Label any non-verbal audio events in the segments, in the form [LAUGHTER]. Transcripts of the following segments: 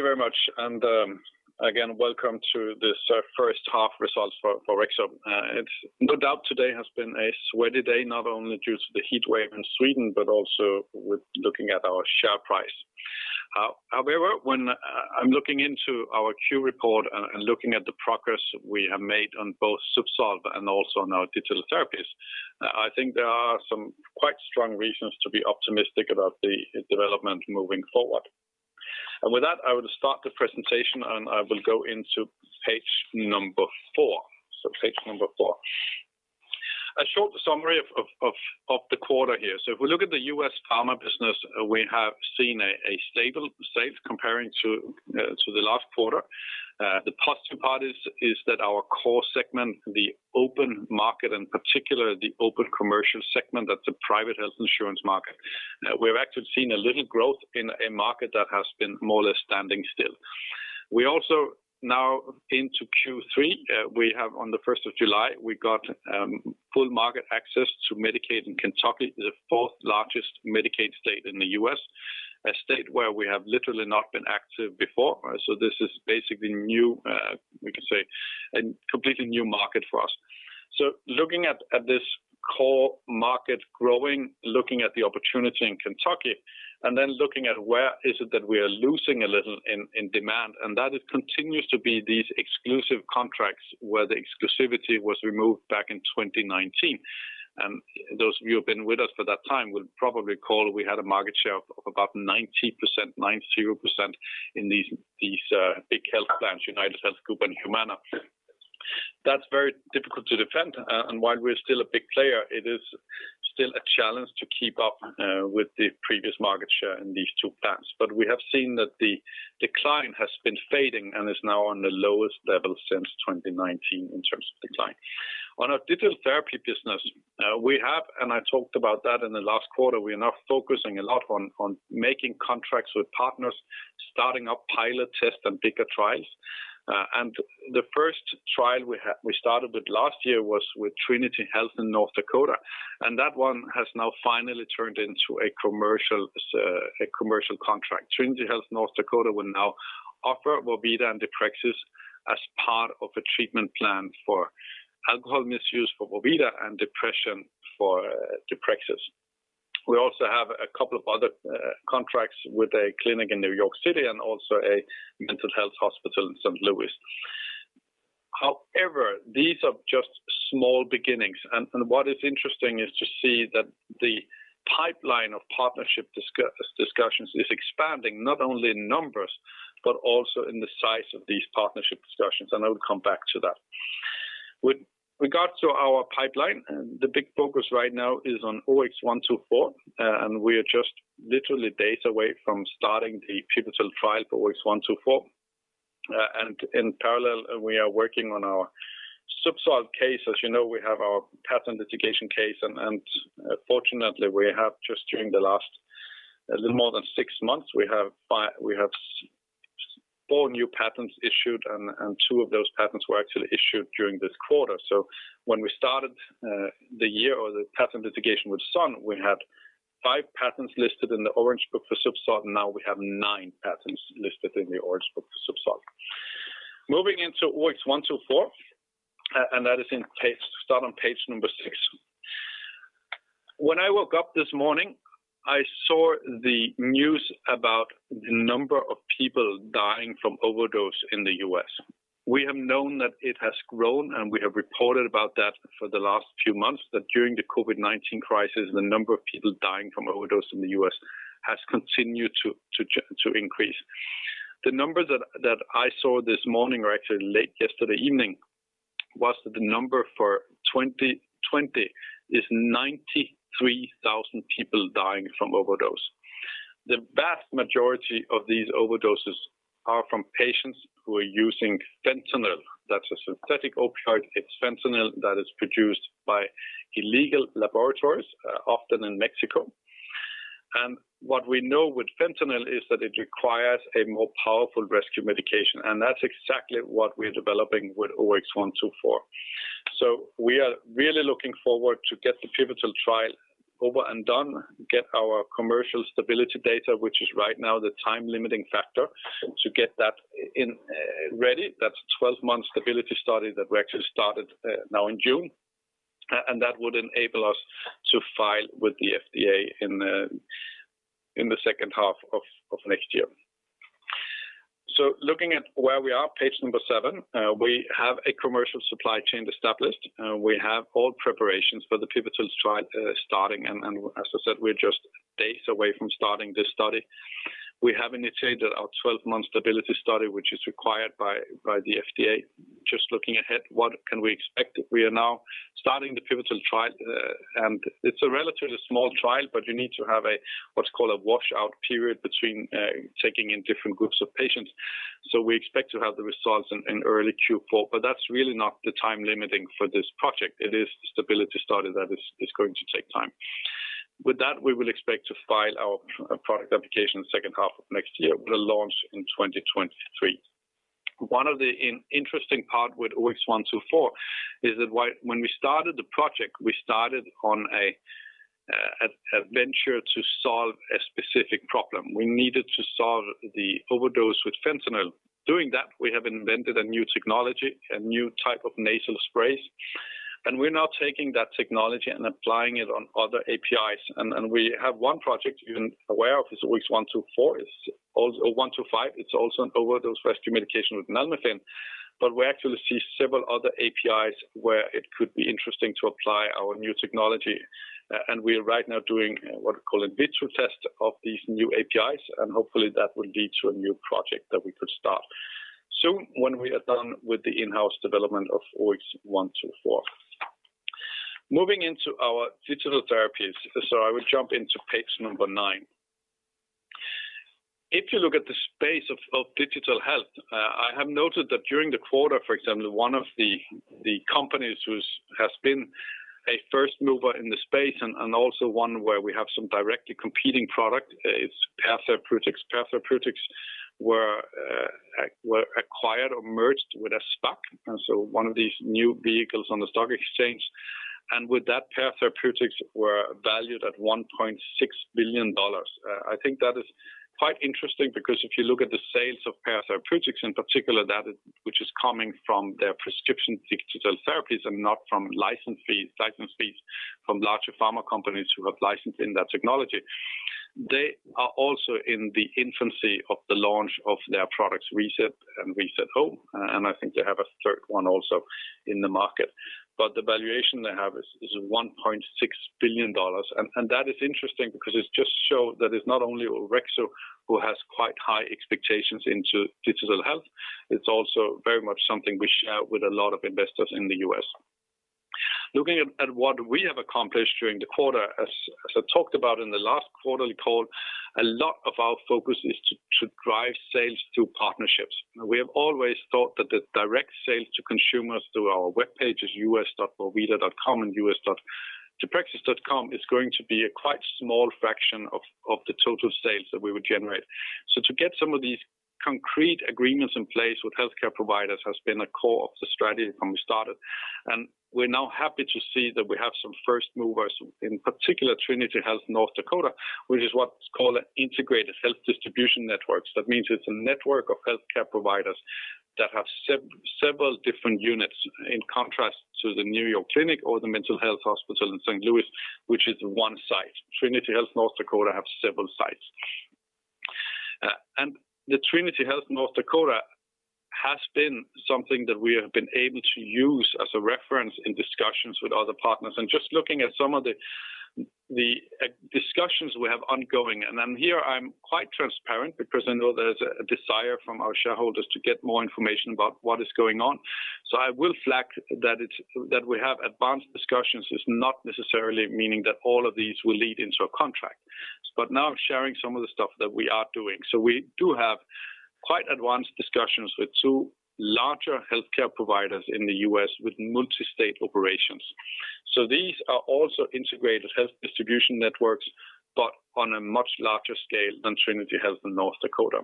Thank you very much. Again, welcome to this first half results for Orexo. No doubt today has been a sweaty day, not only due to the heat wave in Sweden, but also with looking at our share price. However, when I'm looking into our Q2 report and looking at the progress we have made on both ZUBSOLV and also now digital therapeutics, I think there are some quite strong reasons to be optimistic about the development moving forward. With that, I will start the presentation, and I will go into page number four. Page number four. A short summary of the quarter here. If we look at the US Pharma business, we have seen a stable sales comparing to the last quarter. The positive part is that our core segment, the open market, in particular the open commercial segment, that's a private health insurance market. We've actually seen a little growth in a market that has been more or less standing still. Now into Q3, on the 1st of July, we got full market access to Medicaid in Kentucky, the fourth largest Medicaid state in the U.S., a state where we have literally not been active before. This is basically new, we can say, a completely new market for us. Looking at this core market growing, looking at the opportunity in Kentucky, looking at where is it that we are losing a little in demand, it continues to be these exclusive contracts where the exclusivity was removed back in 2019. Those of you who've been with us for that time will probably recall we had a market share of about 90%, nine-zero percent in these big health plans, UnitedHealth Group and Humana. That's very difficult to defend. While we're still a big player, it is still a challenge to keep up with the previous market share in these two plans. We have seen that the decline has been fading and is now on the lowest level since 2019 in terms of decline. On our digital therapy business, we have, and I talked about that in the last quarter, we are now focusing a lot on making contracts with partners, starting up pilot tests and bigger trials. The first trial we started with last year was with Trinity Health North Dakota, and that one has now finally turned into a commercial contract. Trinity Health North Dakota will now offer vorvida and deprexis as part of a treatment plan for alcohol misuse for vorvida and depression for deprexis. We also have a couple of other contracts with a clinic in New York City and also a mental health hospital in St. Louis. However, these are just small beginnings. What is interesting is to see that the pipeline of partnership discussions is expanding not only in numbers, but also in the size of these partnership discussions. I will come back to that. With regards to our pipeline, the big focus right now is on OX124. We are just literally days away from starting the pivotal trial for OX124. In parallel, we are working on our ZUBSOLV case. As you know, we have our patent litigation case. Fortunately, we have just during the last little more than six months, we have four new patents issued. Two of those patents were actually issued during this quarter. When we started the year or the patent litigation with Sun, we had five patents listed in the Orange Book for ZUBSOLV. We have nine patents listed in the Orange Book for ZUBSOLV. Moving into OX124, that is start on page number six. When I woke up this morning, I saw the news about the number of people dying from overdose in the US We have known that it has grown, and we have reported about that for the last few months, that during the COVID-19 crisis, the number of people dying from overdose in the US has continued to increase. The number that I saw this morning, or actually late yesterday evening, was that the number for 2020 is 93,000 people dying from overdose. The vast majority of these overdoses are from patients who are using fentanyl. That's a synthetic opioid. It's fentanyl that is produced by illegal laboratories, often in Mexico. What we know with fentanyl is that it requires a more powerful rescue medication, and that's exactly what we're developing with OX124. We are really looking forward to get the pivotal trial over and done, get our commercial stability data, which is right now the time-limiting factor to get that ready. That's a 12-month stability study that we actually started now in June, and that would enable us to file with the FDA in the second half of next year. Looking at where we are, page number seven, we have a commercial supply chain established. We have all preparations for the pivotal trial starting, and as I said, we're just days away from starting this study. We have initiated our 12-month stability study, which is required by the FDA. Just looking ahead, what can we expect? We are now starting the pivotal trial, and it's a relatively small trial, but you need to have a what's called a wash out period between taking in different groups of patients. We expect to have the results in early Q4, but that's really not the time limiting for this project. It is the stability study that is going to take time. With that, we will expect to file our product application second half of next year with a launch in 2023. One of the interesting part with OX124 is that when we started the project, we started on a venture to solve a specific problem. We needed to solve the overdose with fentanyl. Doing that, we have invented a new technology, a new type of nasal sprays, and we're now taking that technology and applying it on other APIs. We have one project you're aware of, is OX124. It's also OX125. It's also an overdose rescue medication with naloxone. We actually see several other APIs where it could be interesting to apply our new technology. We are right now doing what we call in vitro test of these new APIs, and hopefully that will lead to a new project that we could start soon when we are done with the in-house development of OX124. Moving into our digital therapies. I will jump into page number nine. If you look at the space of digital health, I have noted that during the quarter, for example, one of the companies which has been a first mover in the space and also one where we have some directly competing product is Pear Therapeutics. Pear Therapeutics were acquired or merged with a SPAC, and so one of these new vehicles on the stock exchange, and with that, Pear Therapeutics were valued at $1.6 billion. I think that is quite interesting because if you look at the sales of Pear Therapeutics in particular, that which is coming from their prescription digital therapies and not from license fees from larger pharma companies who have licensed in that technology. They are also in the infancy of the launch of their products, reSET and reSET-O, and I think they have a third one also in the market. The valuation they have is $1.6 billion, and that is interesting because it just show that it's not only Orexo who has quite high expectations into digital health, it's also very much something we share with a lot of investors in the U.S. Looking at what we have accomplished during the quarter, as I talked about in the last quarterly call, a lot of our focus is to drive sales through partnerships. We have always thought that the direct sales to consumers through our webpages, us.vorvida.com and us.deprexis.com, is going to be a quite small fraction of the total sales that we would generate. To get some of these concrete agreements in place with healthcare providers has been a core of the strategy from the start. We're now happy to see that we have some first movers, in particular, Trinity Health North Dakota, which is what's called an integrated health distribution network. That means it's a network of healthcare providers that have several different units in contrast to the New York Clinic or the Mental Health Hospital in St. Louis, which is one site. Trinity Health North Dakota have several sites. The Trinity Health North Dakota has been something that we have been able to use as a reference in discussions with other partners. Just looking at some of the discussions we have ongoing, and here I am quite transparent because I know there is a desire from our shareholders to get more information about what is going on. I will flag that we have advanced discussions is not necessarily meaning that all of these will lead into a contract. Now sharing some of the stuff that we are doing. We do have quite advanced discussions with two larger healthcare providers in the U.S. with multi-state operations. These are also integrated health distribution networks, but on a much larger scale than Trinity Health in North Dakota.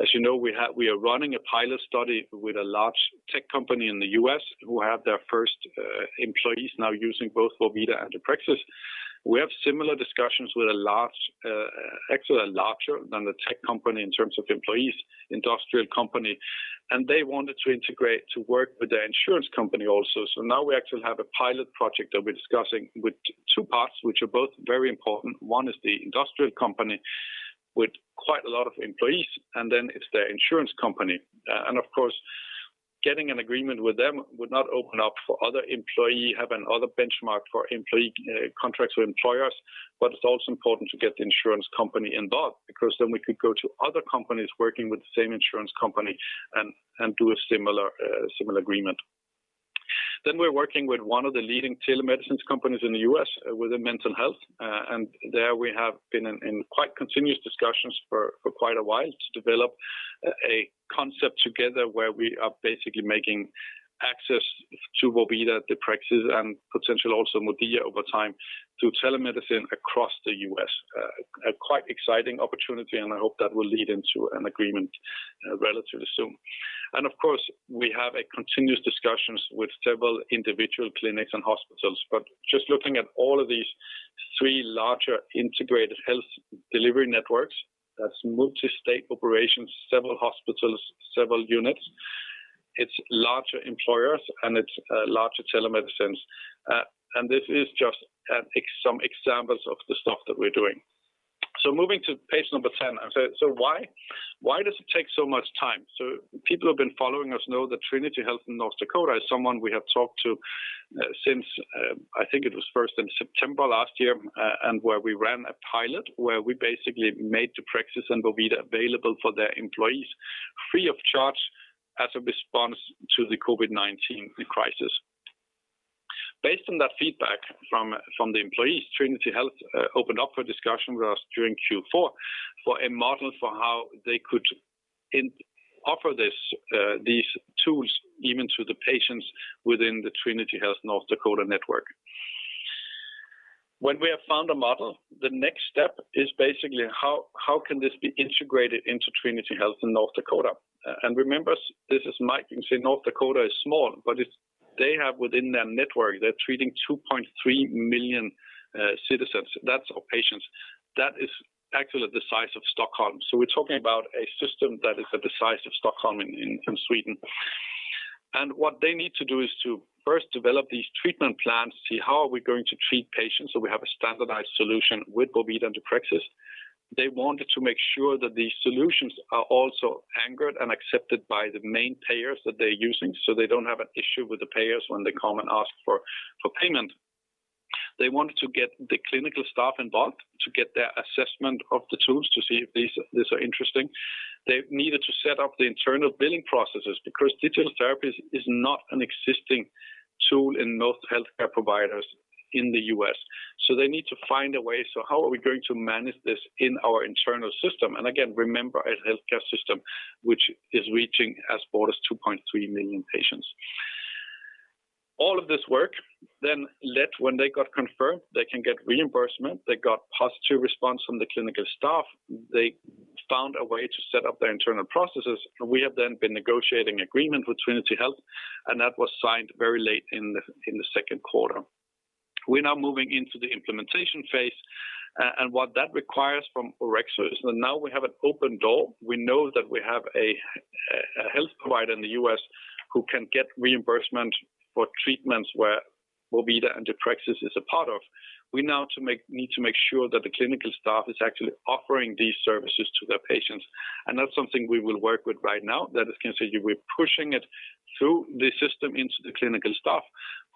As you know, we are running a pilot study with a large tech company in the U.S. who have their first employees now using both vorvida and deprexis. We have similar discussions with actually a larger than the tech company in terms of employees, industrial company, and they wanted to integrate to work with their insurance company also. Now we actually have a pilot project that we're discussing with two parts, which are both very important. One is the industrial company with quite a lot of employees, and then it's their insurance company. Of course, getting an agreement with them would not open up for other employee, have another benchmark for employee contracts with employers, but it's also important to get the insurance company involved because then we could go to other companies working with the same insurance company and do a similar agreement. We're working with one of the leading telemedicine companies in the U.S. within mental health, and there we have been in quite continuous discussions for quite a while to develop a concept together where we are basically making access to vorvida, deprexis, and potentially also modia over time through telemedicine across the U.S. A quite exciting opportunity, and I hope that will lead into an agreement relatively soon. Of course, we have a continuous discussions with several individual clinics and hospitals. Just looking at all of these three larger integrated health delivery networks, that's multi-state operations, several hospitals, several units. It's larger employers and it's larger telemedicines. This is just some examples of the stuff that we're doing. Moving to page 10. Why does it take so much time? People who have been following us know that Trinity Health in North Dakota is someone we have talked to since, I think it was first in September last year, and where we ran a pilot where we basically made deprexis and vorvida available for their employees free of charge as a response to the COVID-19 crisis. Based on that feedback from the employees, Trinity Health opened up for discussion with us during Q4 for a model for how they could offer these tools even to the patients within the Trinity Health North Dakota network. When we have found a model, the next step is basically how can this be integrated into Trinity Health in North Dakota? Remember, this is Mike, you can say North Dakota is small, but they have within their network, they're treating 2.3 million citizens. That's our patients. That is actually the size of Stockholm. We're talking about a system that is the size of Stockholm in Sweden. What they need to do is to first develop these treatment plans, see how are we going to treat patients so we have a standardized solution with modia and deprexis. They wanted to make sure that the solutions are also anchored and accepted by the main payers that they're using, so they don't have an issue with the payers when they come and ask for payment. They wanted to get the clinical staff involved to get their assessment of the tools to see if these are interesting. They needed to set up the internal billing processes because digital therapies is not an existing tool in most healthcare providers in the U.S. They need to find a way, so how are we going to manage this in our internal system? Again, remember, a healthcare system which is reaching as broad as 2.3 million patients. All of this work then led when they got confirmed, they can get reimbursement. They got positive response from the clinical staff. They found a way to set up their internal processes. We have then been negotiating agreement with Trinity Health, and that was signed very late in the second quarter. We are now moving into the implementation phase, and what that requires from Orexo is that now we have an open door. We know that we have a health provider in the U.S. who can get reimbursement for treatments where modia and deprexis is a part of. We now need to make sure that the clinical staff is actually offering these services to their patients. That's something we will work with right now, that is, continue, we're pushing it through the system into the clinical staff.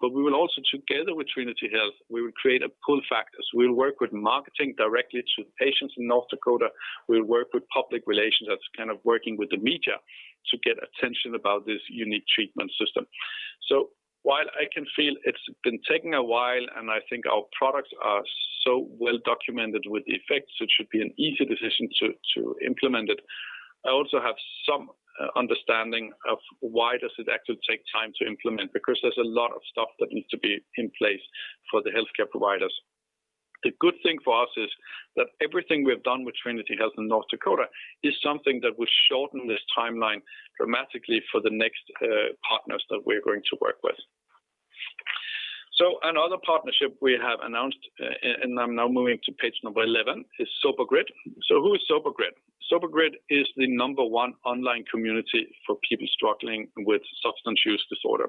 We will also, together with Trinity Health, we will create a pull factor. We'll work with marketing directly to patients in North Dakota. We'll work with public relations, that's kind of working with the media to get attention about this unique treatment system. While I can feel it's been taking a while, and I think our products are so well documented with the effects, it should be an easy decision to implement it. I also have some understanding of why does it actually take time to implement, because there's a lot of stuff that needs to be in place for the healthcare providers. The good thing for us is that everything we have done with Trinity Health North Dakota is something that will shorten this timeline dramatically for the next partners that we're going to work with. Another partnership we have announced, and I'm now moving to page number 11, is Sober Grid. Who is Sober Grid? Sober Grid is the number one online community for people struggling with substance use disorder.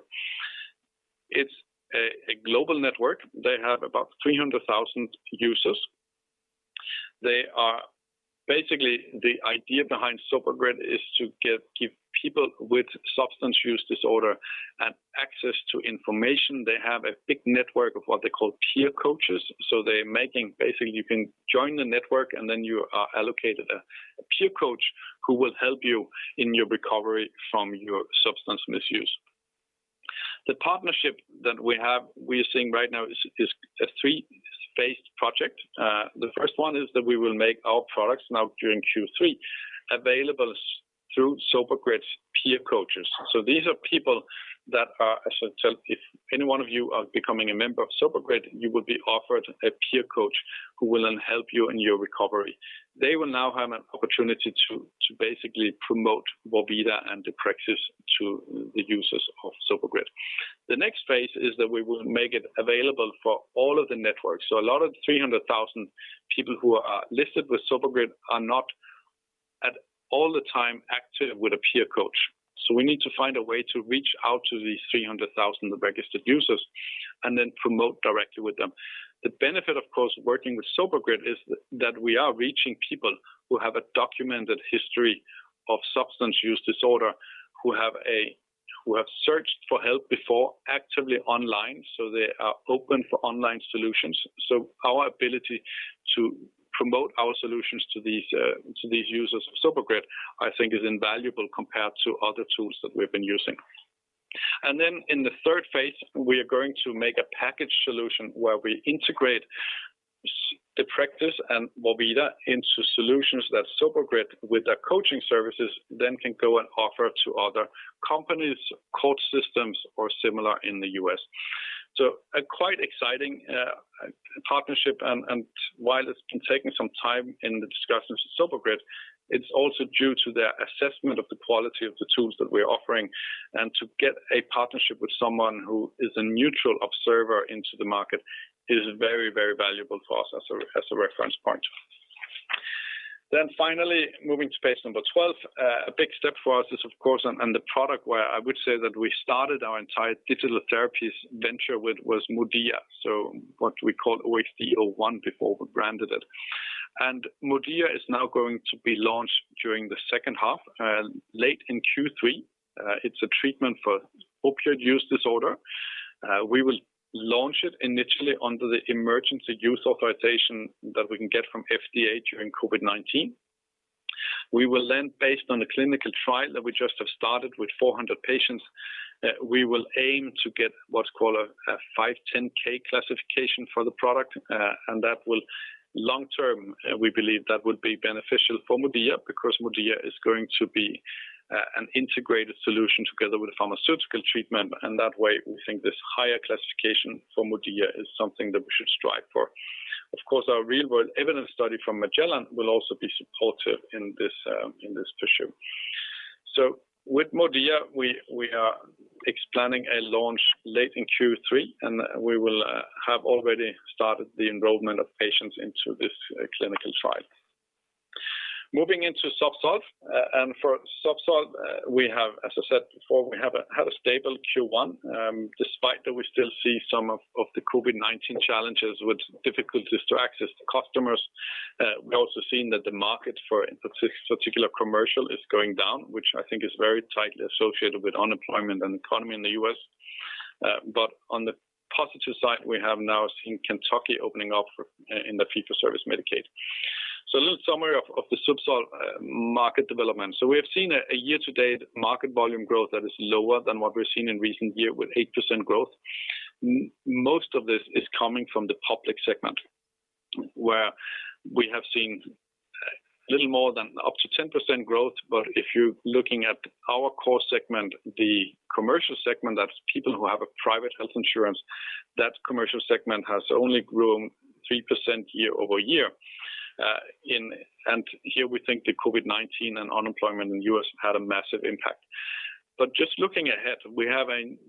It's a global network. They have about 300,000 users. Basically, the idea behind Sober Grid is to give people with substance use disorder an access to information. They have a big network of what they call peer coaches. Basically, you can join the network and then you are allocated a peer coach who will help you in your recovery from your substance misuse. The partnership that we are seeing right now is a 3-phased project. The first one is that we will make our products now during Q3 available through Sober Grid's peer coaches. These are people that are, I should tell if any one of you are becoming a member of Sober Grid, you will be offered a peer coach who will then help you in your recovery. They will now have an opportunity to basically promote modia and deprexis to the users of Sober Grid. The next phase is that we will make it available for all of the networks. A lot of the 300,000 people who are listed with Sober Grid are not at all the time active with a peer coach. We need to find a way to reach out to these 300,000 registered users and then promote directly with them. The benefit, of course, working with Sober Grid is that we are reaching people who have a documented history of substance use disorder, who have searched for help before actively online, so they are open for online solutions. Our ability to promote our solutions to these users of Sober Grid, I think, is invaluable compared to other tools that we've been using. In the third phase, we are going to make a package solution where we integrate deprexis and modia into solutions that Sober Grid with their coaching services then can go and offer to other companies, court systems, or similar in the U.S. A quite exciting partnership, and while it's been taking some time in the discussions with Sober Grid, it's also due to their assessment of the quality of the tools that we're offering and to get a partnership with someone who is a neutral observer into the market is very, very valuable for us as a reference point. Finally, moving to page number 12, a big step for us is, of course, and the product where I would say that we started our entire digital therapies venture with was modia. What we called OXD01 before we branded it. modia is now going to be launched during the second half, late in Q3. It's a treatment for opioid use disorder. We will launch it initially under the emergency use authorization that we can get from FDA during COVID-19. We will then, based on the clinical trial that we just have started with 400 patients, we will aim to get what's called a 510(k) classification for the product. Long term, we believe that would be beneficial for modia because modia is going to be an integrated solution together with a pharmaceutical treatment. That way, we think this higher classification for modia is something that we should strive for. Of course, our real-world evidence study from Magellan will also be supportive in this pursuit. With modia, we are planning a launch late in Q3, and we will have already started the enrollment of patients into this clinical trial. Moving into ZUBSOLV. For ZUBSOLV, as I said before, we have had a stable Q1, despite that we still see some of the COVID-19 challenges with difficulties to access to customers. We're also seeing that the market for, in particular, commercial, is going down, which I think is very tightly associated with unemployment and the economy in the U.`S. On the positive side, we have now seen Kentucky opening up in the fee-for-service Medicaid. A little summary of the ZUBSOLV market development. We have seen a year-to-date market volume growth that is lower than what we've seen in recent year, with 8% growth. Most of this is coming from the public segment, where we have seen little more than up to 10% growth. If you're looking at our core segment, the commercial segment, that's people who have a private health insurance, that commercial segment has only grown 3% year-over-year. Here we think the COVID-19 and unemployment in the U.S. had a massive impact. Just looking ahead,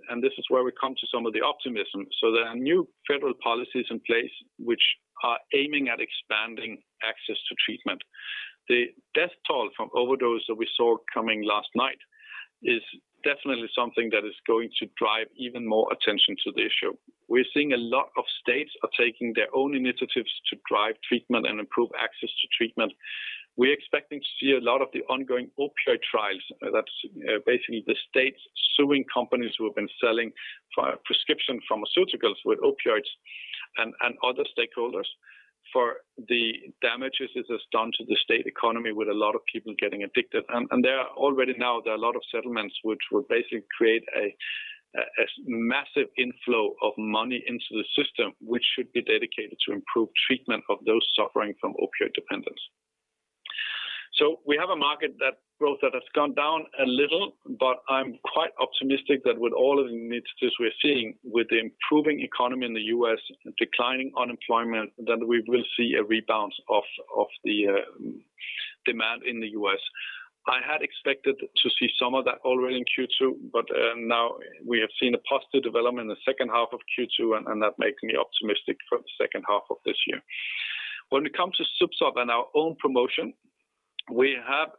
and this is where we come to some of the optimism, there are new federal policies in place which are aiming at expanding access to treatment. The death toll from overdose that we saw coming last night is definitely something that is going to drive even more attention to the issue. We're seeing a lot of states are taking their own initiatives to drive treatment and improve access to treatment. We're expecting to see a lot of the ongoing opioid trials. That's basically the states suing companies who have been selling prescription pharmaceuticals with opioids and other stakeholders for the damages this has done to the state economy with a lot of people getting addicted. There are already now, there are a lot of settlements which will basically create a massive inflow of money into the system, which should be dedicated to improve treatment of those suffering from opioid dependence. We have a market growth that has gone down a little, but I'm quite optimistic that with all of the initiatives we're seeing with the improving economy in the U.S., declining unemployment, that we will see a rebalance of the demand in the U.S. I had expected to see some of that already in Q2, but now we have seen a positive development in the second half of Q2. That makes me optimistic for the second half of this year. When it comes to ZUBSOLV and our own promotion, we have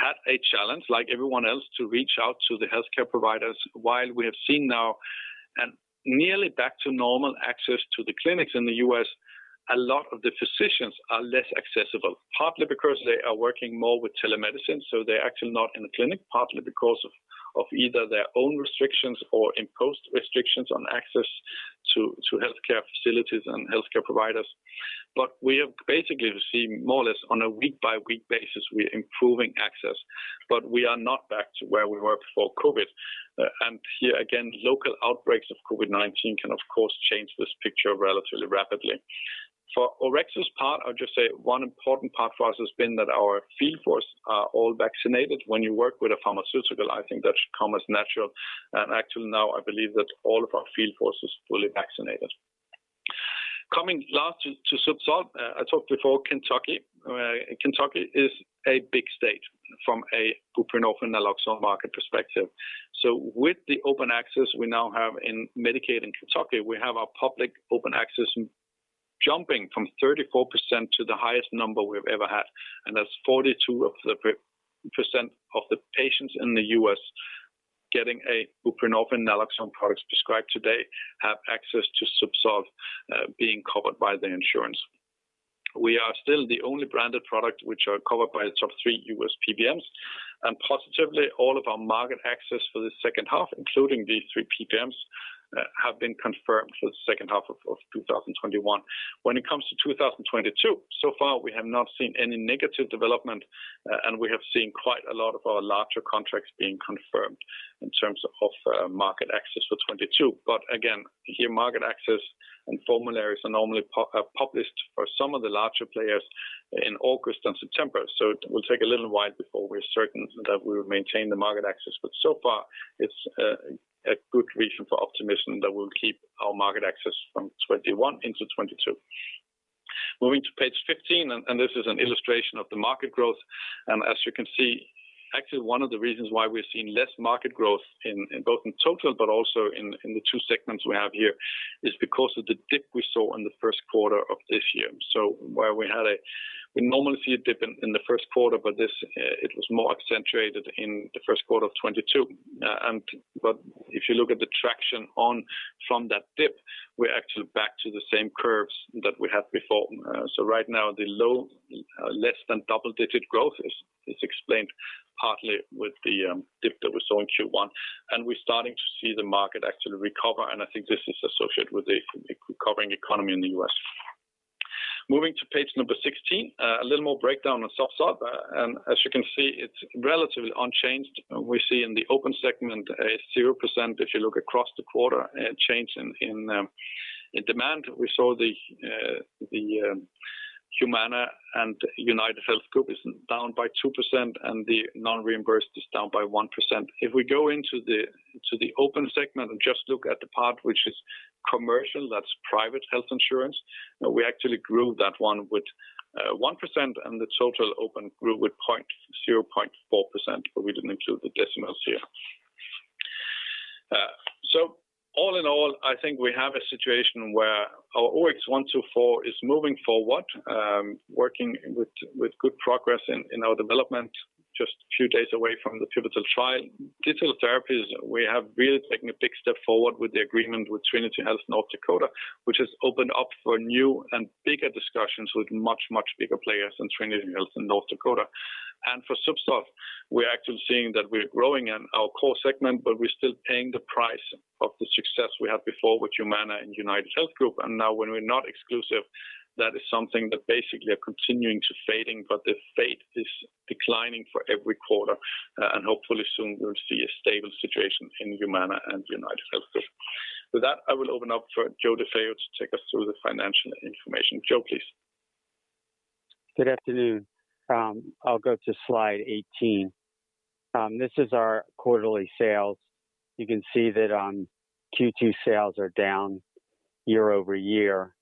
had a challenge, like everyone else, to reach out to the healthcare providers. While we have seen now nearly back to normal access to the clinics in the U.S., a lot of the physicians are less accessible, partly because they are working more with telemedicine, so they're actually not in the clinic, partly because of either their own restrictions or imposed restrictions on access to healthcare facilities and healthcare providers. We have basically seen more or less on a week-by-week basis, we're improving access. We are not back to where we were before COVID. Here again, local outbreaks of COVID-19 can, of course, change this picture relatively rapidly. For Orexo's part, I'll just say one important part for us has been that our field force are all vaccinated. When you work with a pharmaceutical, I think that should come as natural. Actually now, I believe that all of our field force is fully vaccinated. Coming last to ZUBSOLV. I talked before Kentucky. Kentucky is a big state from a buprenorphine naloxone market perspective. With the open access we now have in Medicaid in Kentucky, we have our public open access jumping from 34% to the highest number we've ever had, and that's 42% of the patients in the U.S. getting a buprenorphine naloxone product prescribed today have access to ZUBSOLV being covered by their insurance. We are still the only branded product which are covered by the top three U.S. PBMs. Positively, all of our market access for the second half, including these three PBMs, have been confirmed for the second half of 2021. When it comes to 2022, so far, we have not seen any negative development, and we have seen quite a lot of our larger contracts being confirmed in terms of market access for 2022. Again, here, market access and formularies are normally published for some of the larger players in August and September. It will take a little while before we're certain that we will maintain the market access, but so far it's a good reason for optimism that we'll keep our market access from 2021 into 2022. Moving to page 15, this is an illustration of the market growth. As you can see, actually one of the reasons why we're seeing less market growth in both in total, but also in the two segments we have here, is because of the dip we saw in the first quarter of this year. Where we normally see a dip in the first quarter, this was more accentuated in the first quarter of 2022. If you look at the traction from that dip, we're actually back to the same curves that we had before. Right now, the low, less than double-digit growth is explained partly with the dip that we saw in Q1, and we're starting to see the market actually recover, and I think this is associated with the recovering economy in the U.S. Moving to page 16, a little more breakdown on ZUBSOLV, and as you can see, it's relatively unchanged. We see in the open segment a 0%, if you look across the quarter, change in demand. We saw the Humana and UnitedHealth Group is down by 2%, and the non-reimbursed is down by 1%. If we go into the open segment and just look at the part which is commercial, that's private health insurance, we actually grew that one with 1%, and the total open grew with 0.4%, but we didn't include the decimals here. All in all, I think we have a situation where our OX124 is moving forward, working with good progress in our development, just two days away from the pivotal trial. Digital therapies, we have really taken a big step forward with the agreement with Trinity Health North Dakota, which has opened up for new and bigger discussions with much, much bigger players than Trinity Health North Dakota. For ZUBSOLV, we're actually seeing that we're growing in our core segment, but we're still paying the price of the success we had before with Humana and UnitedHealth Group. Now when we're not exclusive, that is something that basically are continuing to fading, but the fade is declining for every quarter. Hopefully soon we'll see a stable situation in Humana and UnitedHealth Group. With that, I will open up for Joe DeFeo to take us through the financial information. Joe, please. Good afternoon. I'll go to slide 18. This is our quarterly sales. You can see that on Q2 sales are down year-over-year due to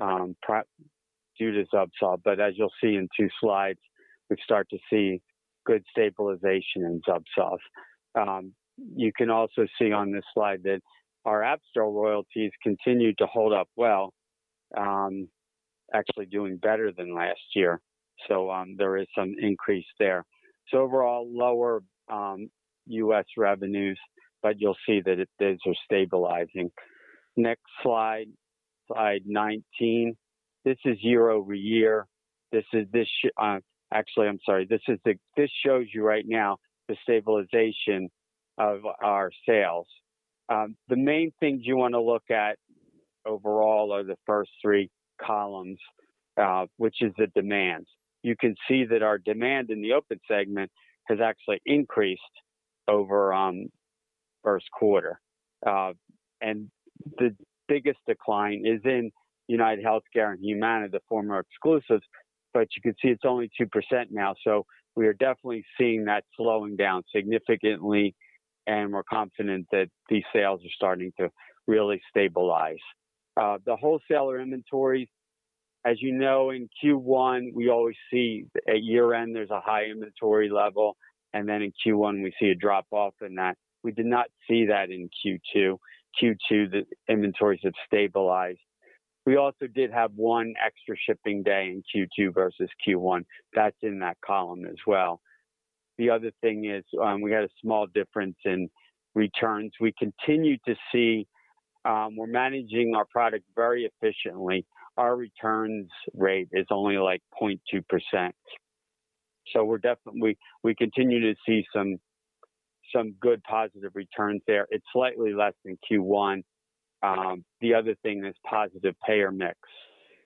ZUBSOLV. As you'll see in two slides, we've start to see good stabilization in ZUBSOLV. You can also see on this slide that our App Store royalties continued to hold up well, actually doing better than last year. There is some increase there. Overall, lower U.S. revenues, but you'll see that those are stabilizing. Next slide 19. This is year-over-year. Actually, I'm sorry. This shows you right now the stabilization of our sales. The main things you want to look at overall are the first three columns, which is the demands. You can see that our demand in the open segment has actually increased over first quarter. The biggest decline is in UnitedHealthcare and Humana, the former exclusives, but you can see it's only 2% now. We are definitely seeing that slowing down significantly, and we're confident that these sales are starting to really stabilize. The wholesaler inventory, as you know, in Q1, we always see at year-end, there's a high inventory level, and then in Q1, we see a drop-off in that. We did not see that in Q2. Q2, the inventories have stabilized. We also did have one extra shipping day in Q2 versus Q1. That's in that column as well. The other thing is, we had a small difference in returns. We continue to see we're managing our product very efficiently. Our returns rate is only like 0.2%. We continue to see some good positive returns there. It's slightly less than Q1. The other thing is positive payer mix.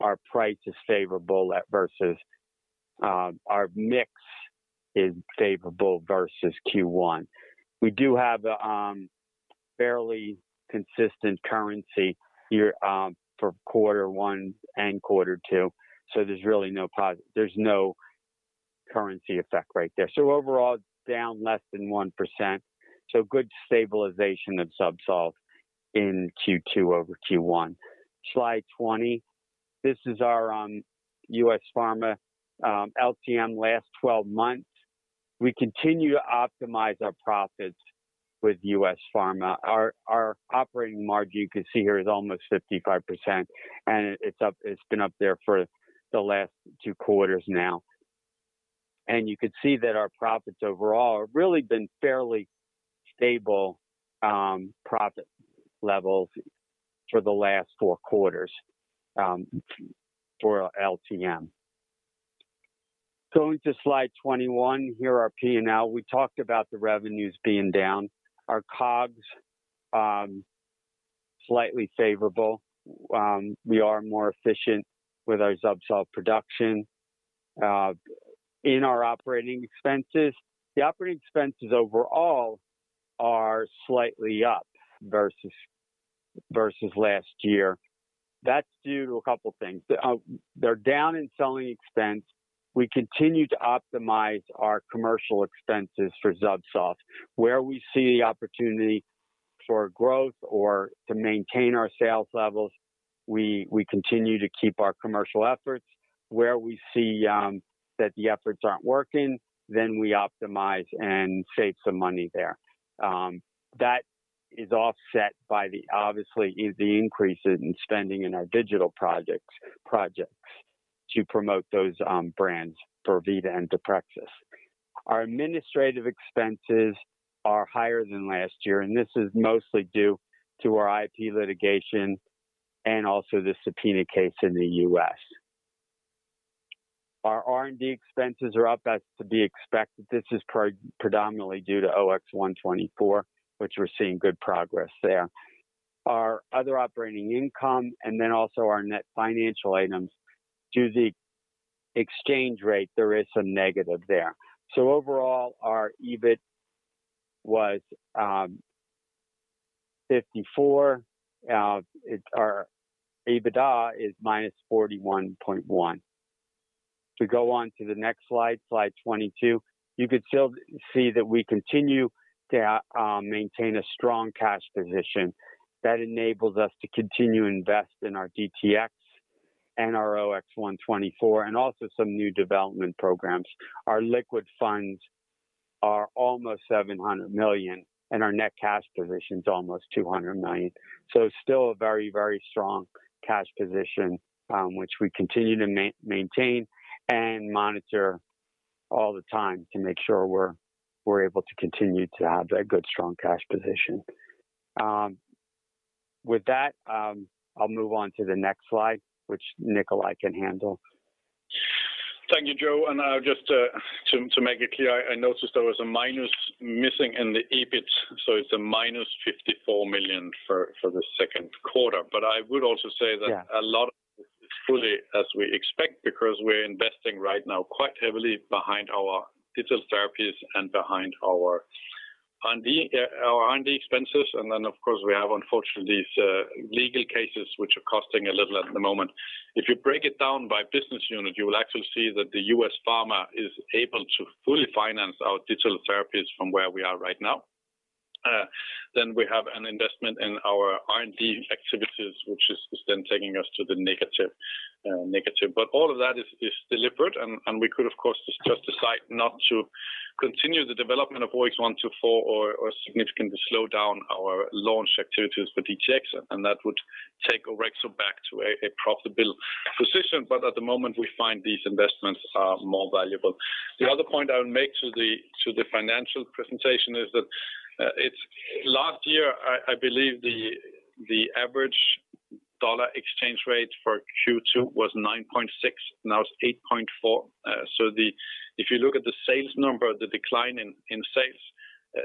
Our mix is favorable versus Q1. We do have a fairly consistent currency for Q1 and Q2, there's no currency effect right there. Overall, it's down less than 1%. Good stabilization of ZUBSOLV in Q2 over Q1. Slide 20. This is our US Pharma LTM, last 12 months. We continue to optimize our profits with US Pharma. Our operating margin, you can see here, is almost 55%, and it's been up there for the last two quarters now. You could see that our profits overall have really been fairly stable profit levels for the last four quarters for LTM. Going to slide 21, here our P&L. We talked about the revenues being down. Our COGS, slightly favorable. We are more efficient with our ZUBSOLV production. In our operating expenses, the operating expenses overall are slightly up versus last year. That's due to a couple things. They're down in selling expense. We continue to optimize our commercial expenses for ZUBSOLV. Where we see opportunity for growth or to maintain our sales levels, we continue to keep our commercial efforts. We optimize and save some money there. That is offset by the, obviously, the increases in spending in our digital projects to promote those brands for vorvida® and deprexis®. Our administrative expenses are higher than last year. This is mostly due to our IP litigation and also the subpoena case in the U.S. Our R&D expenses are up as to be expected. This is predominantly due to OX124, which we're seeing good progress there. Our other operating income and then also our net financial items to the exchange rate, there is some negative there. Overall, our EBIT was 54 million. Our EBITDA is -41.1 million. If we go on to the next slide 22, you could still see that we continue to maintain a strong cash position that enables us to continue to invest in our DTX and our OX124, and also some new development programs. Our liquid funds are almost 700 million, and our net cash position is almost 200 million. It's still a very strong cash position which we continue to maintain and monitor all the time to make sure we're able to continue to have a good, strong cash position. With that, I'll move on to the next slide, which Nikolaj can handle. Thank you, Joe. Now just to make it clear, I noticed there was a minus missing in the EBIT, it's a -54 million for the second quarter. I would also say that a lot of it is fully as we expect because we're investing right now quite heavily behind our digital therapies and behind our R&D expenses. Of course, we have, unfortunately, these legal cases which are costing a little at the moment. If you break it down by business unit, you will actually see that the US Pharma is able to fully finance our digital therapies from where we are right now. We have an investment in our R&D activities, which is then taking us to the negative. All of that is deliberate and we could, of course, just decide not to continue the development of OX124 or significantly slow down our launch activities for DTX and that would take Orexo back to a profitable position. At the moment, we find these investments are more valuable. The other point I would make to the financial presentation is that last year, I believe the average dollar exchange rate for Q2 was 9.6. Now it's 8.4. If you look at the sales number, the decline in sales,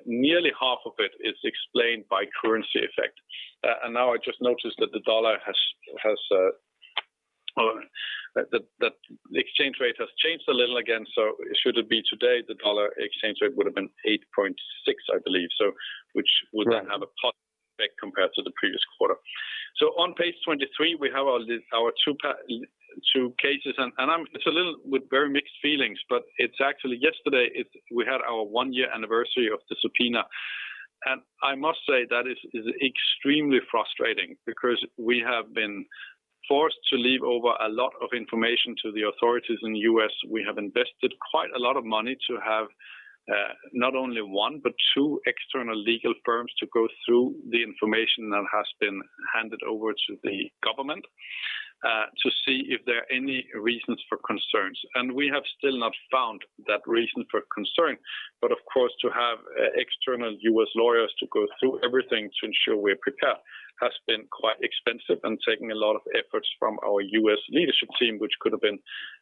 nearly half of it is explained by currency effect. Now I just noticed that the exchange rate has changed a little again. Should it be today, the dollar exchange rate would have been 8.6, I believe, which would then have a positive effect compared to the previous quarter. On page 23, we have our two cases and it's a little with very mixed feelings, but it's actually yesterday we had our 1-year anniversary of the subpoena. I must say that it is extremely frustrating because we have been forced to leave over a lot of information to the authorities in the U.S. We have invested quite a lot of money to have not only one but two external legal firms to go through the information that has been handed over to the government to see if there are any reasons for concerns. We have still not found that reason for concern. Of course, to have external U.S. lawyers to go through everything to ensure we're prepared has been quite expensive and taken a lot of efforts from our U.S. leadership team, which could have been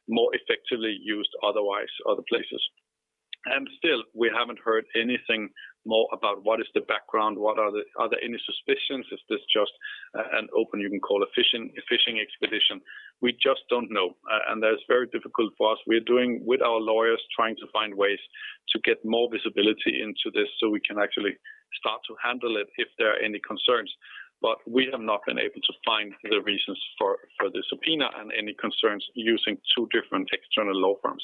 more effectively used otherwise other places. Still, we haven't heard anything more about what is the background, are there any suspicions? Is this just an open, you can call a fishing expedition? We just don't know and that's very difficult for us. We're doing with our lawyers trying to find ways to get more visibility into this so we can actually start to handle it if there are any concerns. We have not been able to find the reasons for the subpoena and any concerns using two different external law firms.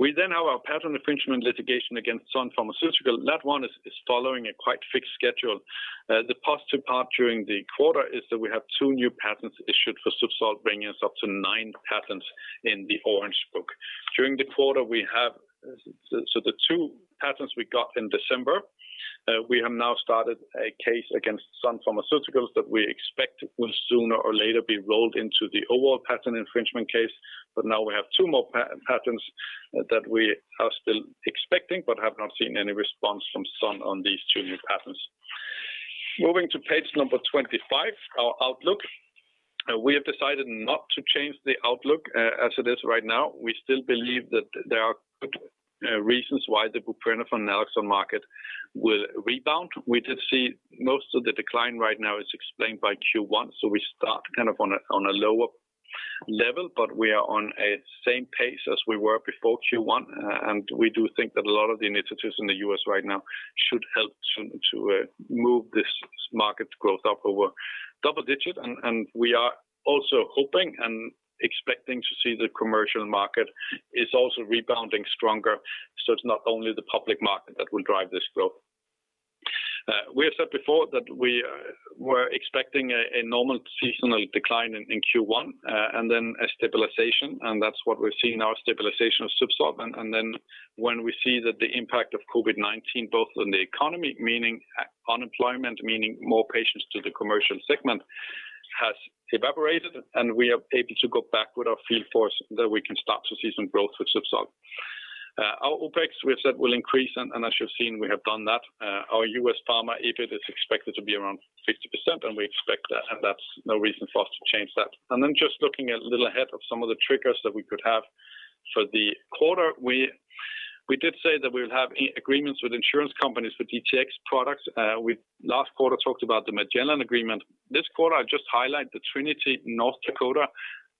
We have our patent infringement litigation against Sun Pharmaceutical. That one is following a quite fixed schedule. The positive part during the quarter is that we have two new patents issued for ZUBSOLV bringing us up to nine patents in the Orange Book. During the quarter, we have the two patents we got in December. We have now started a case against Sun Pharmaceuticals that we expect will sooner or later be rolled into the overall patent infringement case. Now we have two more patents that we are still expecting but have not seen any response from Sun on these two new patents. Moving to page number 25, our outlook. We have decided not to change the outlook as it is right now. We still believe that there are good reasons why the buprenorphine naloxone market will rebound. We did see most of the decline right now is explained by Q1. We start kind of on a lower level. We are on a same pace as we were before Q1 and we do think that a lot of the initiatives in the U.S. right now should help to move this market growth up over double-digit. We are also hoping and expecting to see the commercial market is also rebounding stronger. It's not only the public market that will drive this growth. We have said before that we were expecting a normal seasonal decline in Q1 and then a stabilization. That's what we're seeing now, a stabilization of ZUBSOLV. When we see that the impact of COVID-19 both on the economy, meaning unemployment, meaning more patients to the commercial segment has evaporated and we are able to go back with our field force that we can start to see some growth with ZUBSOLV. Our OpEx we have said will increase. As you've seen, we have done that. Our US Pharma EBIT is expected to be around 50%. We expect that, and that's no reason for us to change that. Just looking a little ahead of some of the triggers that we could have for the quarter, we did say that we will have agreements with insurance companies for DTX products. We last quarter talked about the Magellan agreement. This quarter I just highlight the Trinity Health North Dakota.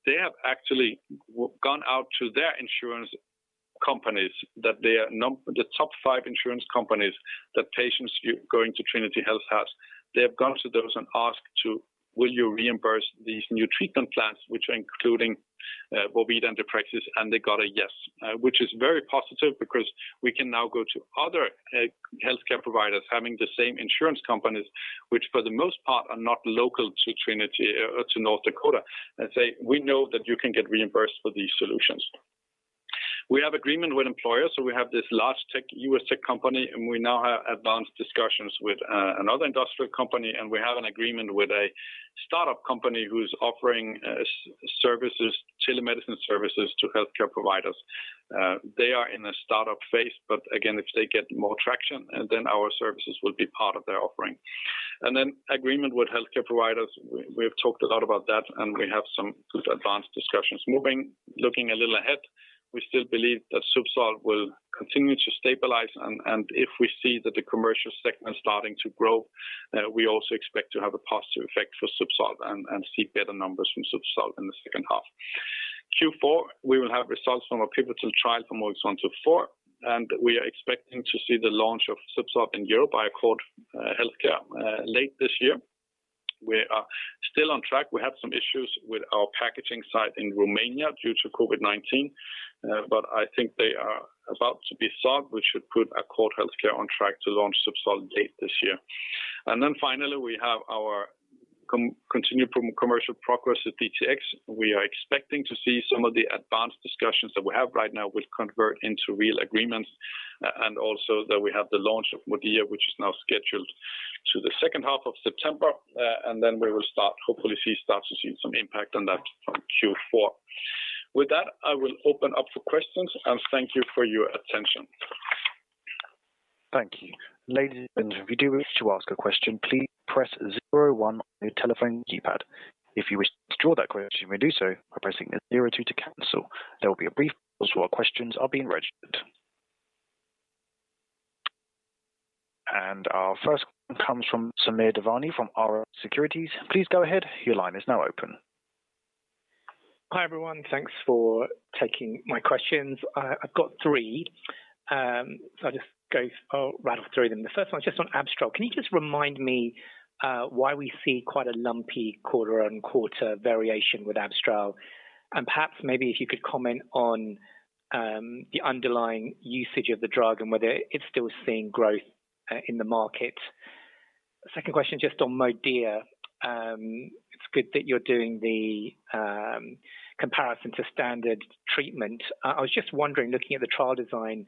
They have actually gone out to their insurance companies, the top five insurance companies that patients going to Trinity Health has, they have gone to those and asked to, "Will you reimburse these new treatment plans?" Which are including vorvida and deprexis. They got a yes, which is very positive because we can now go to other healthcare providers having the same insurance companies, which for the most part are not local to North Dakota. Say, "We know that you can get reimbursed for these solutions." We have agreement with employers. We have this large U.S. tech company. We now have advanced discussions with another industrial company. We have an agreement with a startup company who's offering telemedicine services to healthcare providers. They are in a startup phase. Again, if they get more traction, our services will be part of their offering. Agreement with healthcare providers, we have talked a lot about that, and we have some good advanced discussions moving. Looking a little ahead, we still believe that ZUBSOLV will continue to stabilize, and if we see that the commercial segment is starting to grow, we also expect to have a positive effect for ZUBSOLV and see better numbers from ZUBSOLV in the second half. Q4, we will have results from our pivotal trial for OX124, and we are expecting to see the launch of ZUBSOLV in Europe by Accord Healthcare late this year. We are still on track. We have some issues with our packaging site in Romania due to COVID-19, but I think they are about to be solved, which should put Accord Healthcare on track to launch ZUBSOLV late this year. Finally, we have our continued commercial progress with DTX. We are expecting to see some of the advanced discussions that we have right now will convert into real agreements, and also that we have the launch of modia, which is now scheduled to the second half of September. Then we will hopefully start to see some impact on that from Q4. With that, I will open up for questions, and thank you for your attention. Thank you. Ladies and gentlemen, if you do wish to ask a question, please press zero one on your telephone keypad. If you wish to withdraw that question, you may do so by pressing zero two to cancel. There will be a brief pause while questions are being registered. Our first call comes from Samir Devani from Rx Securities. Please go ahead. Your line is now open. Hi, everyone. Thanks for taking my questions. I've got three, I'll just rattle through them. The first one's just on Abstral. Can you just remind me why we see quite a lumpy quarter-on-quarter variation with Abstral? Perhaps maybe if you could comment on the underlying usage of the drug and whether it's still seeing growth in the market. Second question, just on Modia. It's good that you're doing the comparison to standard treatment. I was just wondering, looking at the trial design,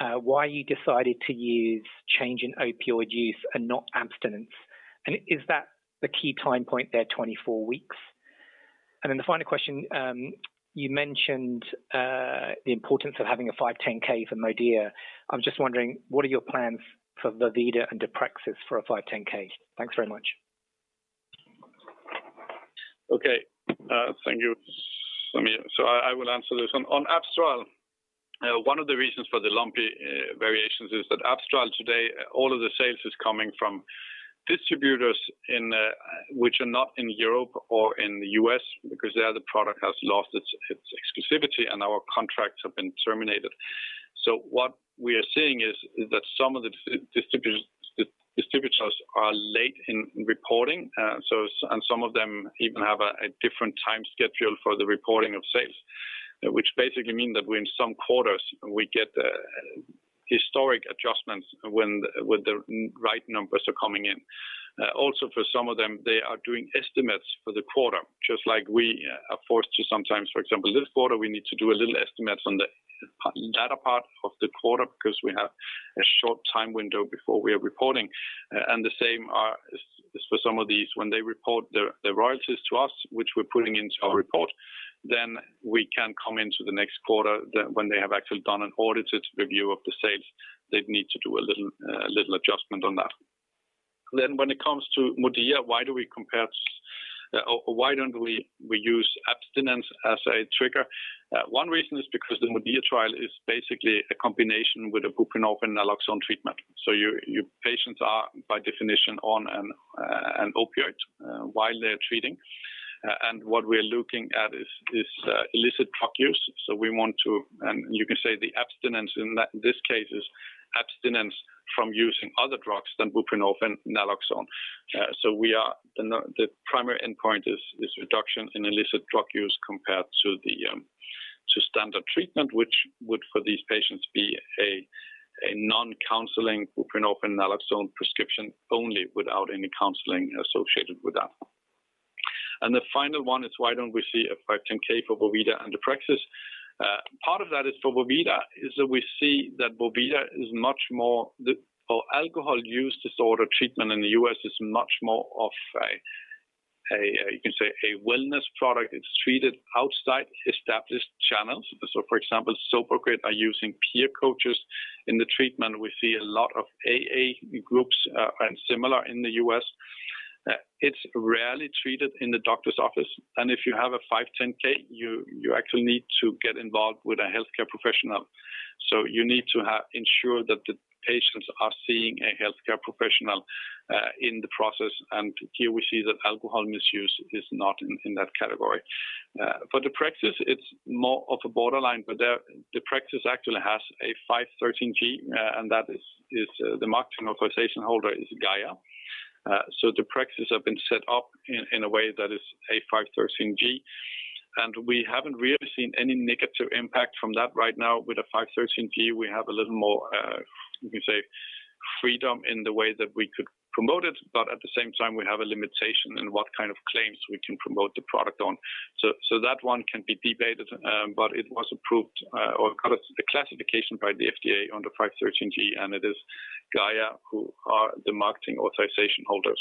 why you decided to use change in opioid use and not abstinence, and is that the key time point there, 24 weeks? Then the final question, you mentioned the importance of having a 510(k) for Modia. I'm just wondering, what are your plans for vorvida and deprexis for a 510(k)? Thanks very much. Okay. Thank you, Samir. I will answer this. On Abstral, one of the reasons for the lumpy variations is that Abstral today, all of the sales is coming from distributors which are not in Europe or in the U.S. because there the product has lost its exclusivity and our contracts have been terminated. What we are seeing is that some of the distributors are late in reporting. Some of them even have a different time schedule for the reporting of sales, which basically mean that in some quarters, we get historic adjustments when the right numbers are coming in. Also for some of them, they are doing estimates for the quarter, just like we are forced to sometimes. For example, this quarter, we need to do a little estimate on the latter part of the quarter because we have a short time window before we are reporting. The same is for some of these, when they report their royalties to us, which we're putting into our report, then we can come into the next quarter that when they have actually done an audited review of the sales, they'd need to do a little adjustment on that. When it comes to modia, why don't we use abstinence as a trigger? One reason is because the modia trial is basically a combination with a buprenorphine naloxone treatment. Your patients are, by definition, on an opioid while they're treating. What we are looking at is illicit drug use. You can say the abstinence in this case is abstinence from using other drugs than buprenorphine naloxone. The primary endpoint is reduction in illicit drug use compared to standard treatment, which would, for these patients, be a non-counseling buprenorphine naloxone prescription only, without any counseling associated with that. The final one is why don't we see a 510(k) for vorvida and deprexis? Part of that is for vorvida, is that we see that vorvida is much more the For alcohol use disorder treatment in the U.S. is much more of a, you can say, a wellness product. It's treated outside established channels. For example, Sober Grid are using peer coaches in the treatment. We see a lot of AA groups and similar in the U.S. It's rarely treated in the doctor's office. If you have a 510(k), you actually need to get involved with a healthcare professional. You need to ensure that the patients are seeing a healthcare professional in the process. Here we see that alcohol misuse is not in that category. For deprexis, it's more of a borderline. The deprexis actually has a 513(t). The marketing authorization holder is GAIA. deprexis have been set up in a way that is a 513(t). We haven't really seen any negative impact from that right now. With a 513(t), we have a little more, you can say, freedom in the way that we could promote it. At the same time, we have a limitation in what kind of claims we can promote the product on. That one can be debated, but it was approved or got a classification by the FDA under 513(t), and it is GAIA who are the marketing authorization holders.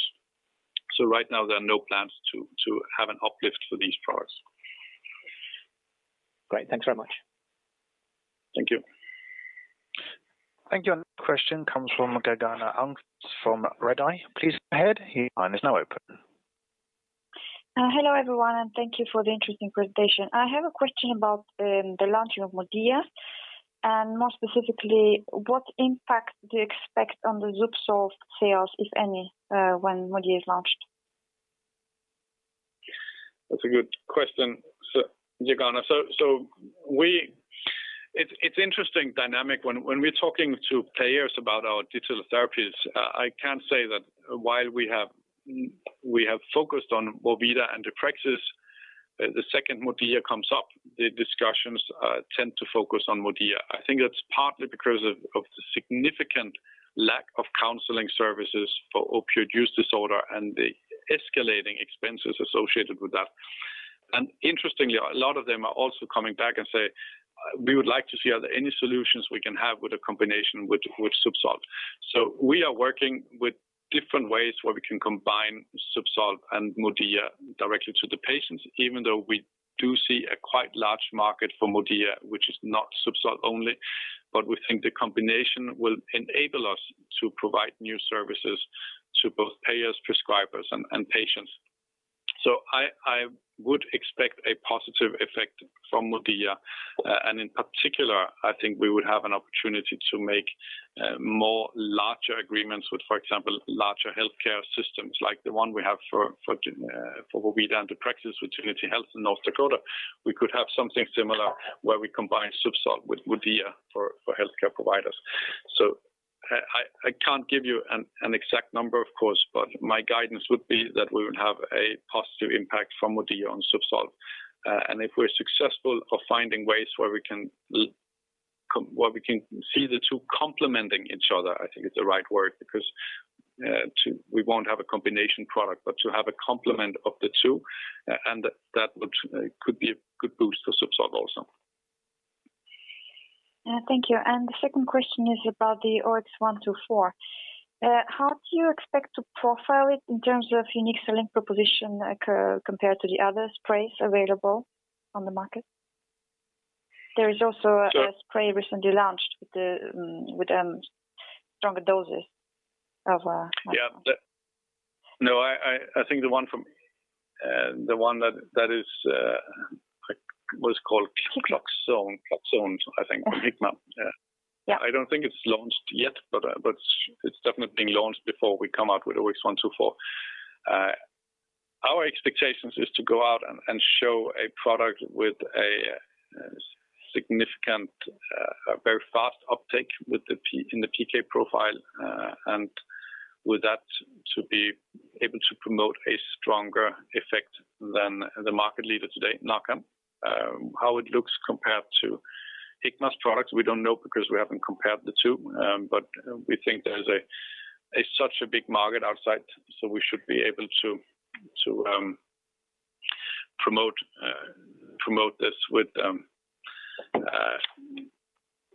Right now, there are no plans to have an uplift for these products. Great. Thanks very much. Thank you. Thank you. Our next question comes from Gergana Almquist from Redeye. Please go ahead. Your line is now open. Hello, everyone, and thank you for the interesting presentation. I have a question about the launching of modia, and more specifically, what impact do you expect on the ZUBSOLV sales, if any, when modia is launched? That's a good question, Gergana. It's interesting dynamic when we're talking to payers about our digital therapies. I can say that while we have focused on vorvida and deprexis, the second modia comes up, the discussions tend to focus on modia. I think that's partly because of the significant lack of counseling services for opioid use disorder and the escalating expenses associated with that. Interestingly, a lot of them are also coming back and say, "We would like to see are there any solutions we can have with a combination with ZUBSOLV." We are working with different ways where we can combine ZUBSOLV and modia directly to the patients, even though we do see a quite large market for modia, which is not ZUBSOLV only, but we think the combination will enable us to provide new services to both payers, prescribers, and patients. I would expect a positive effect from modia. In particular, I think we would have an opportunity to make more larger agreements with, for example, larger healthcare systems like the one we have for vorvida and deprexis with Trinity Health North Dakota. We could have something similar where we combine ZUBSOLV with modia for healthcare providers. I can't give you an exact number, of course, but my guidance would be that we would have a positive impact from modia on ZUBSOLV. If we're successful of finding ways where we can see the two complementing each other, I think is the right word, because, two, we won't have a combination product, but to have a complement of the two, and that could be a good boost for ZUBSOLV also. Thank you. The second question is about the OX124. How do you expect to profile it in terms of unique selling proposition compared to the other sprays available on the market? There is also a spray recently launched with stronger doses of. Yeah. No, I think the one that is, what is called, [INAUDIBLE] I think, Hikma. Yeah. I don't think it's launched yet, but it's definitely being launched before we come out with OX124. Our expectations is to go out and show a product with a significant, very fast uptake in the PK profile, and with that to be able to promote a stronger effect than the market leader today, NARCAN. How it looks compared to Hikma's products, we don't know because we haven't compared the two, but we think there's such a big market outside, so we should be able to promote this with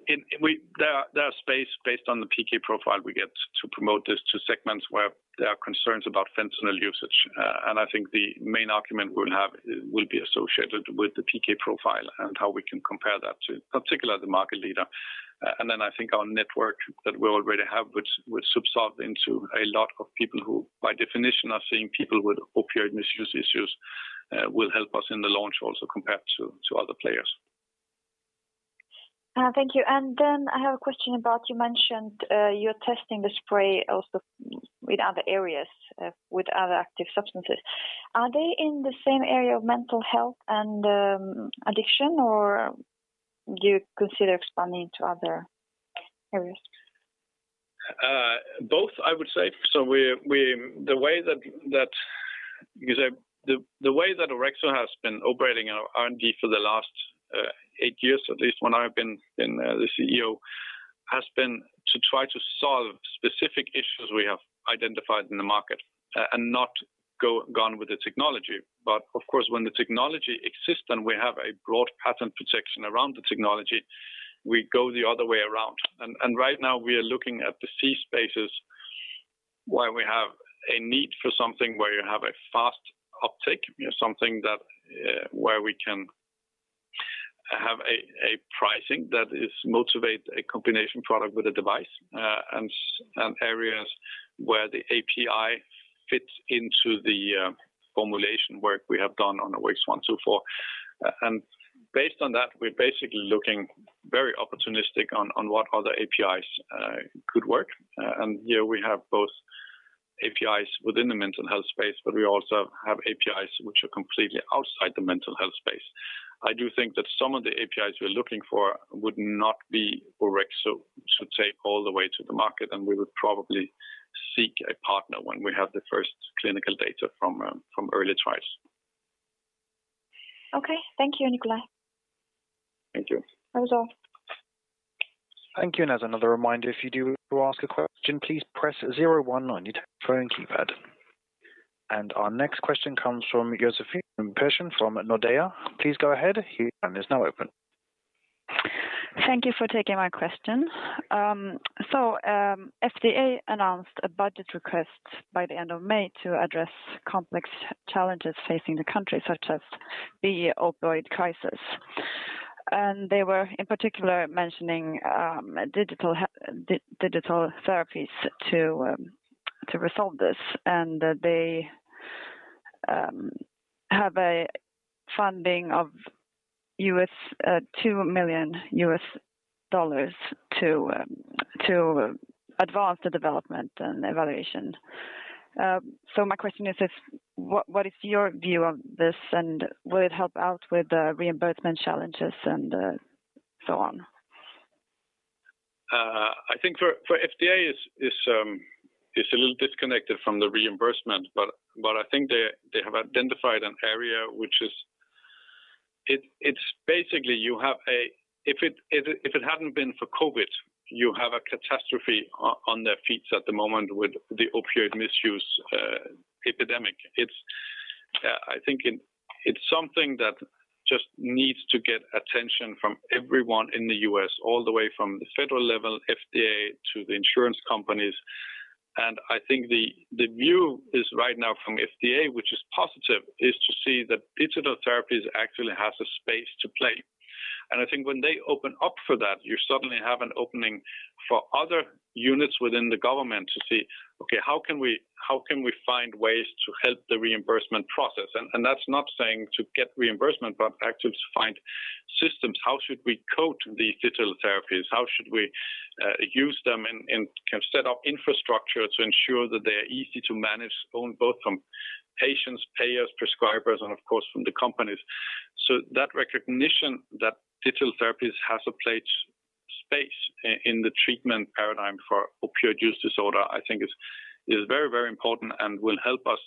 There are space based on the PK profile we get to promote this to segments where there are concerns about fentanyl usage. I think the main argument we'll have will be associated with the PK profile and how we can compare that to, particular, the market leader. I think our network that we already have with ZUBSOLV into a lot of people who, by definition, are seeing people with opioid misuse issues, will help us in the launch also compared to other players. Thank you. I have a question about you mentioned you're testing the spray also with other areas, with other active substances. Are they in the same area of mental health and addiction, or do you consider expanding to other areas? Both, I would say. The way that Orexo has been operating R&D for the last eight years, at least when I've been the CEO, has been to try to solve specific issues we have identified in the market and not gone with the technology. Of course, when the technology exists, and we have a broad patent protection around the technology, we go the other way around. Right now we are looking at the C-spaces where we have a need for something where you have a fast uptake, something where we can have a pricing that motivate a combination product with a device, and areas where the API fits into the formulation work we have done on OX124. Based on that, we're basically looking very opportunistic on what other APIs could work. Here we have both APIs within the mental health space, but we also have APIs which are completely outside the mental health space. I do think that some of the APIs we're looking for would not be Orexo, should say, all the way to the market, and we would probably seek a partner when we have the first clinical data from early trials. Okay. Thank you, Nikolaj. Thank you. That was all. Thank you. As another reminder, if you do ask a question, please press zero one on your phone keypad. Our next question comes from Josefine Persson from Nordea. Thank you for taking my question. FDA announced a budget request by the end of May to address complex challenges facing the country, such as the opioid crisis. They were, in particular, mentioning digital therapies to resolve this, and they have a funding of $2 million to advance the development and evaluation. My question is, what is your view on this, and will it help out with the reimbursement challenges and so on? I think for FDA, it's a little disconnected from the reimbursement, but I think they have identified an area. If it hadn't been for COVID, you have a catastrophe on their feet at the moment with the opioid misuse epidemic. I think it's something that just needs to get attention from everyone in the U.S., all the way from the federal level, FDA, to the insurance companies. I think the view is right now from FDA, which is positive, is to see that digital therapies actually has a space to play. I think when they open up for that, you suddenly have an opening for other units within the government to see, okay, how can we find ways to help the reimbursement process? That's not saying to get reimbursement, but actually to find systems. How should we code these digital therapies? How should we use them and set up infrastructure to ensure that they're easy to manage both from patients, payers, prescribers, and of course from the companies? That recognition that digital therapies has a space in the treatment paradigm for opioid use disorder, I think is very important and will help us,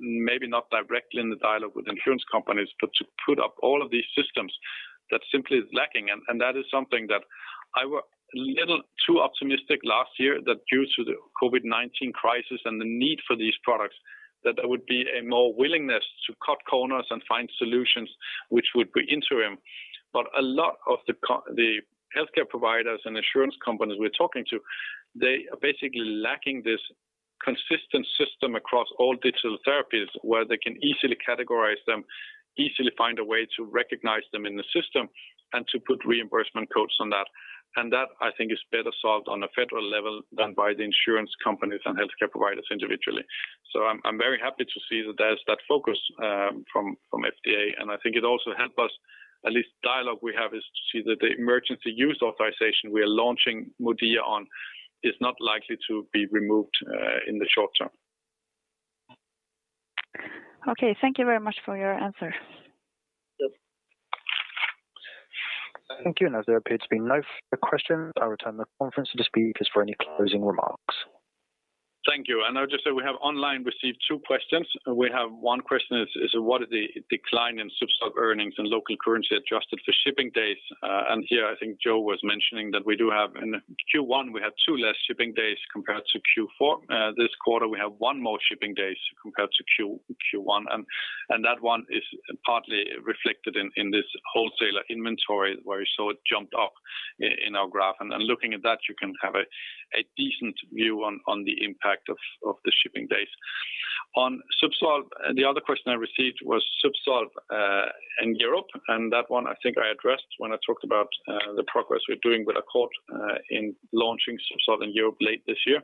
maybe not directly in the dialogue with insurance companies, but to put up all of these systems that simply is lacking. That is something that I was a little too optimistic last year that due to the COVID-19 crisis and the need for these products, that there would be a more willingness to cut corners and find solutions which would be interim. A lot of the healthcare providers and insurance companies we're talking to, they are basically lacking this consistent system across all digital therapies where they can easily categorize them, easily find a way to recognize them in the system, and to put reimbursement codes on that. That, I think, is better solved on a federal level than by the insurance companies and healthcare providers individually. I'm very happy to see that there's that focus from FDA, and I think it also help us, at least dialogue we have, is to see that the emergency use authorization we are launching modia on is not likely to be removed in the short term. Okay. Thank you very much for your answer. Yep. Thank you. As there appears to be no further questions, I'll return the conference to the speakers for any closing remarks. Thank you. I would just say we have online received two questions. One question is, what is the decline in ZUBSOLV earnings and local currency adjusted for shipping days? Here, I think Joe was mentioning that we do have in Q1, we had two less shipping days compared to Q4. This quarter, we have one more shipping day compared to Q1, and that one is partly reflected in this wholesaler inventory where you saw it jumped up in our graph. Looking at that, you can have a decent view on the impact of the shipping days. The other question I received was ZUBSOLV in Europe, and that one I think I addressed when I talked about the progress we're doing with Accord in launching ZUBSOLV in Europe late this year.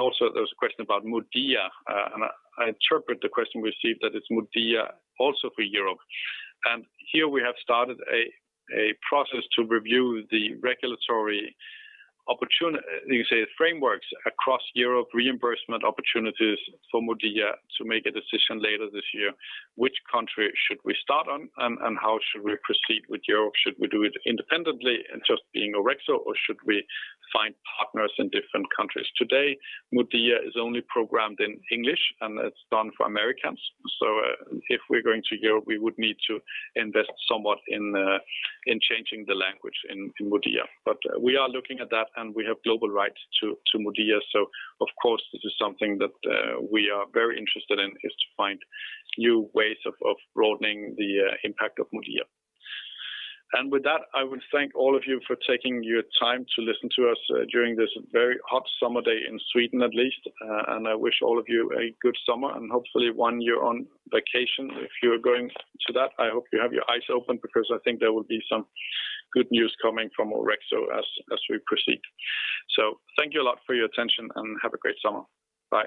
Also, there was a question about modia. I interpret the question we received that it is modia also for Europe. Here we have started a process to review the regulatory frameworks across Europe, reimbursement opportunities for modia to make a decision later this year, which country should we start on and how should we proceed with Europe? Should we do it independently and just being Orexo, or should we find partners in different countries? Today, modia is only programmed in English, and it is done for Americans. If we are going to Europe, we would need to invest somewhat in changing the language in modia. We are looking at that, and we have global rights to modia. Of course, this is something that we are very interested in, is to find new ways of broadening the impact of modia. With that, I would thank all of you for taking your time to listen to us during this very hot summer day in Sweden, at least. I wish all of you a good summer and hopefully one year on vacation. If you're going to that, I hope you have your eyes open because I think there will be some good news coming from Orexo as we proceed. Thank you a lot for your attention, and have a great summer. Bye